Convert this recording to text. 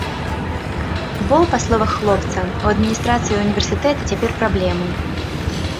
Бо, па словах хлопца, у адміністрацыі ўніверсітэта цяпер праблемы.